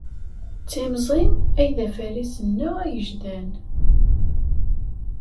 D timẓin ay d afaris-nneɣ agejdan.